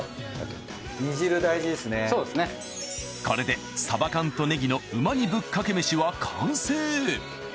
これでサバ缶とねぎの旨煮ぶっかけ飯は完成！